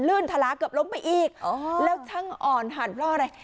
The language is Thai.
ลื่นทะลากับล้มไปอีกอ๋อแล้วท่างอ่อนหัดเพราะอะไร